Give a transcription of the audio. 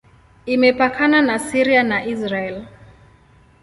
Imepakana na Syria na Israel.